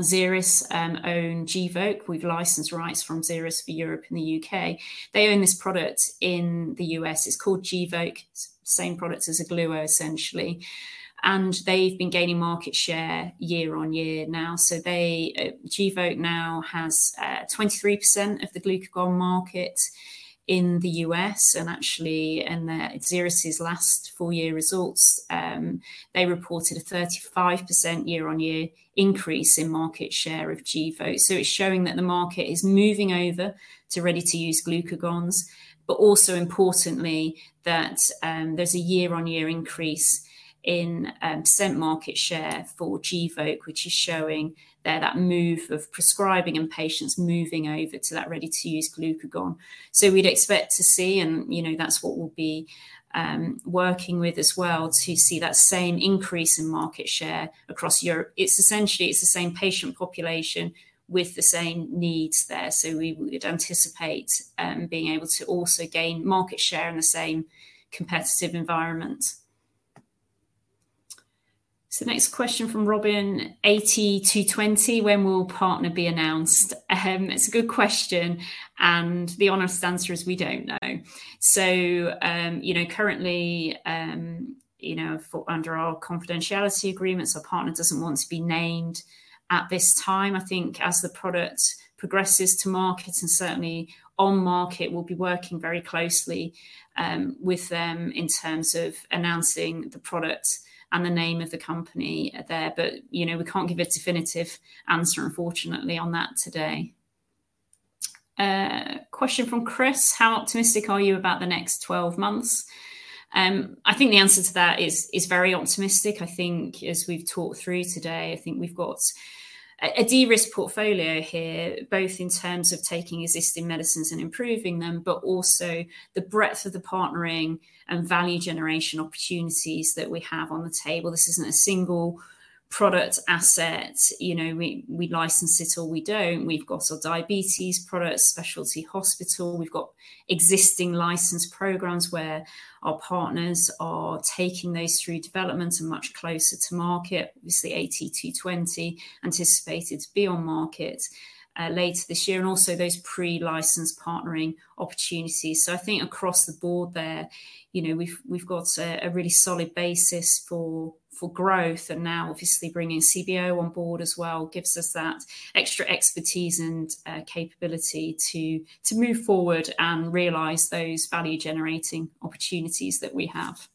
Xeris own Gvoke. We've licensed rights from Xeris for Europe and the U.K. They own this product in the U.S. It's called Gvoke. It's the same product as Ogluo, essentially. They've been gaining market share year-on-year now. They Gvoke now has 23% of the glucagon market in the U.S. and actually, in the Xeris' last full year results, they reported a 35% year-on-year increase in market share of Gvoke. It's showing that the market is moving over to ready-to-use glucagons, but also importantly, that there's a year-over-year increase in % market share for Gvoke, which is showing there that move of prescribing and patients moving over to that ready-to-use glucagon. We'd expect to see and, you know, that's what we'll be working with as well to see that same increase in market share across Europe. It's essentially, it's the same patient population with the same needs there. We would anticipate being able to also gain market share in the same competitive environment. Next question from Robin. AT220, when will partner be announced? It's a good question, and the honest answer is we don't know. You know, currently, you know, for under our confidentiality agreements, our partner doesn't want to be named at this time. I think as the product progresses to market and certainly on market, we'll be working very closely with them in terms of announcing the product and the name of the company there. You know, we can't give a definitive answer, unfortunately, on that today. Question from Chris. How optimistic are you about the next 12 months? I think the answer to that is very optimistic. I think as we've talked through today, I think we've got a de-risk portfolio here, both in terms of taking existing medicines and improving them, but also the breadth of the partnering and value generation opportunities that we have on the table. This isn't a single product asset. You know, we license it or we don't. We've got our diabetes products, specialty hospital. We've got existing license programs where our partners are taking those through development and much closer to market. Obviously, AT220 anticipated to be on market later this year, and also those pre-licensed partnering opportunities. I think across the board there, you know, we've got a really solid basis for growth, and now obviously bringing CBO on board as well gives us that extra expertise and capability to move forward and realize those value-generating opportunities that we have.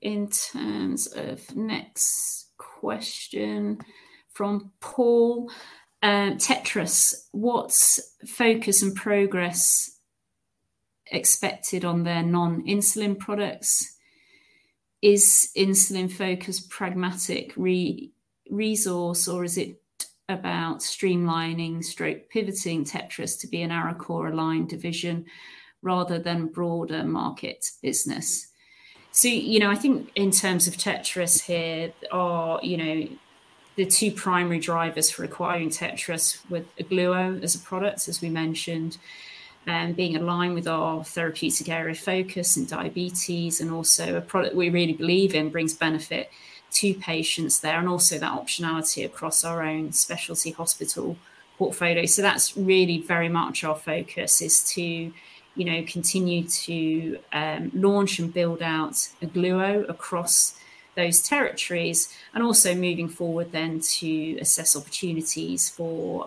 In terms of next question from Paul. Tetris Pharma, what's focus and progress expected on their non-insulin products? Is insulin focus pragmatic re-resource, or is it about streamlining/pivoting Tetris Pharma to be an Arecor aligned division rather than broader market business? You know, I think in terms of Tetris Pharma here are, you know, the two primary drivers for acquiring Tetris Pharma with Ogluo as a product, as we mentioned, being aligned with our therapeutic area of focus in diabetes and also a product we really believe in brings benefit to patients there, and also that optionality across our own specialty hospital portfolio. That's really very much our focus is to, you know, continue to launch and build out Ogluo across those territories and also moving forward then to assess opportunities for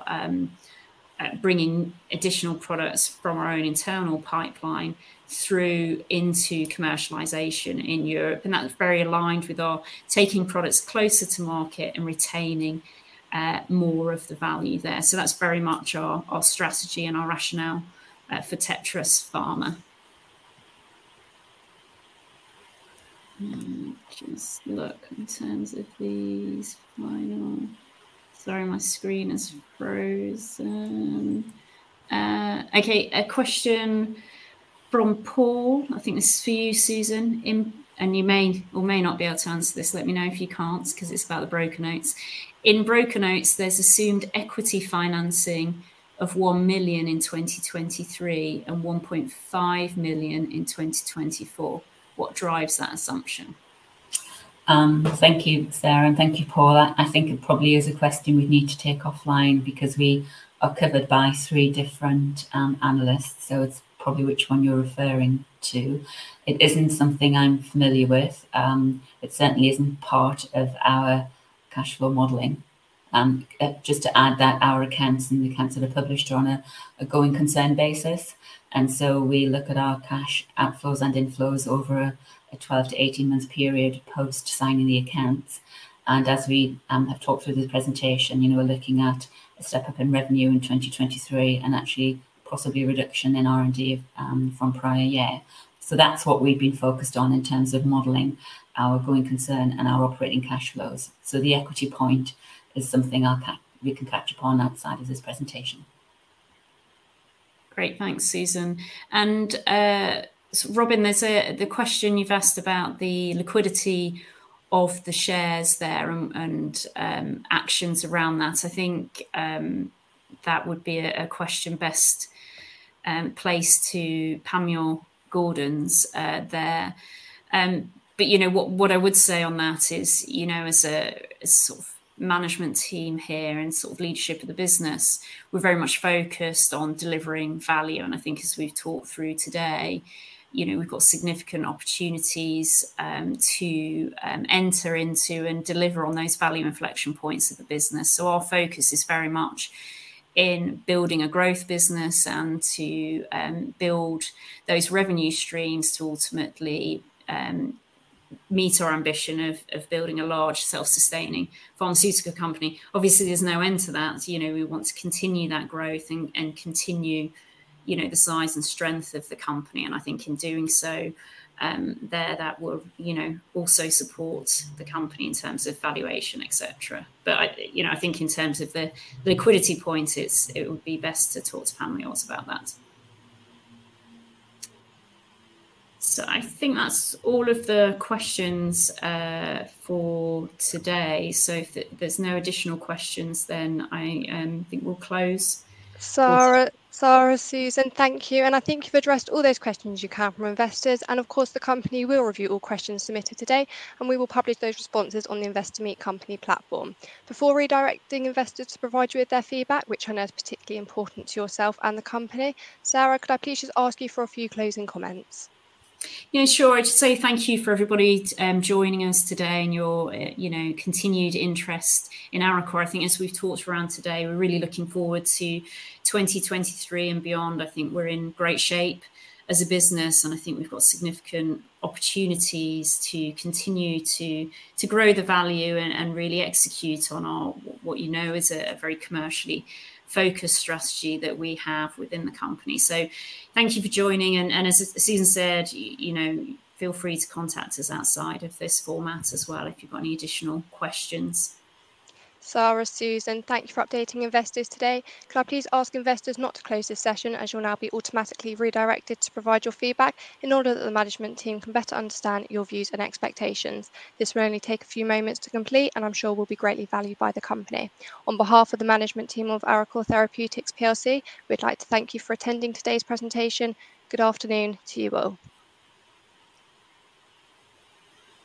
bringing additional products from our own internal pipeline through into commercialization in Europe, and that's very aligned with our taking products closer to market and retaining more of the value there. That's very much our strategy and our rationale for Tetris Pharma. Let me just look in terms of these final... Sorry, my screen is frozen. Okay, a question from Paul. I think this is for you, Susan. You may or may not be able to answer this, let me know if you can't 'cause it's about the broker notes. In broker notes, there's assumed equity financing of 1 million in 2023 and 1.5 million in 2024. What drives that assumption? Thank you, Sarah, and thank you, Paul. I think it probably is a question we'd need to take offline because we are covered by three different analysts, so it's probably which one you're referring to. It isn't something I'm familiar with. It certainly isn't part of our cash flow modeling. Just to add that our accounts and the accounts that are published are on a going concern basis, and so we look at our cash outflows and inflows over a 12 to 18 months period post signing the accounts. As we have talked through the presentation, you know, we're looking at a step-up in revenue in 2023 and actually possibly a reduction in R&D from prior year. That's what we've been focused on in terms of modeling our going concern and our operating cash flows. The equity point is something we can catch up on outside of this presentation. Great. Thanks, Susan. Robin, there's the question you've asked about the liquidity of the shares there and actions around that.I think that would be a question best placed to Panmure Gordon's there. But you know, what I would say on that is, you know, as a sort of management team here and sort of leadership of the business, we're very much focused on delivering value. I think as we've talked through today, you know, we've got significant opportunities to enter into and deliver on those value inflection points of the business. Our focus is very much in building a growth business and to build those revenue streams to ultimately meet our ambition of building a large self-sustaining pharmaceutical company. Obviously, there's no end to that. You know, we want to continue that growth and continue, you know, the size and strength of the company. I think in doing so, that will, you know, also support the company in terms of valuation, etcetera. I, you know, I think in terms of the liquidity point, it would be best to talk to Panmure Gordon also about that. I think that's all of the questions for today. If there's no additional questions, then I think we'll close. Sarah, Susan, thank you. I think you've addressed all those questions you can from investors. Of course, the company will review all questions submitted today. We will publish those responses on the Investor Meet Company platform. Before redirecting investors to provide you with their feedback, which I know is particularly important to yourself and the company, Sarah, could I please just ask you for a few closing comments? Yeah, sure. I'd just say thank you for everybody joining us today and your, you know, continued interest in Arecor. I think as we've talked around today, we're really looking forward to 2023 and beyond. I think we're in great shape as a business, and I think we've got significant opportunities to continue to grow the value and really execute on our, what you know is a very commercially focused strategy that we have within the company. Thank you for joining and as Susan said, you know, feel free to contact us outside of this format as well if you've got any additional questions. Sarah, Susan, thank you for updating investors today. Could I please ask investors not to close this session, as you'll now be automatically redirected to provide your feedback in order that the management team can better understand your views and expectations. This will only take a few moments to complete, and I'm sure will be greatly valued by the company. On behalf of the management team of Arecor Therapeutics PLC, we'd like to thank you for attending today's presentation. Good afternoon to you all.